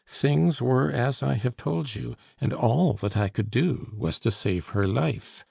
Things were as I have told you, and all that I could do was to save her life.